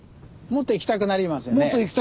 もっといきたくなりますね。